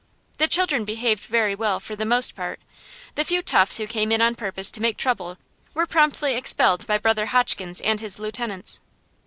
The children behaved very well, for the most part; the few "toughs" who came in on purpose to make trouble were promptly expelled by Brother Hotchkins and his lieutenants.